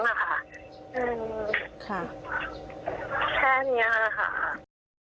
อืมแค่นี้นะคะ